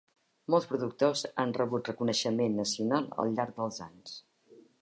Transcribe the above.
Molts productors han rebut reconeixement nacional al llarg dels anys.